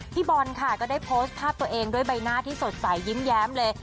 บอลค่ะก็ได้โพสต์ภาพตัวเองด้วยใบหน้าที่สดใสยิ้มแย้มเลย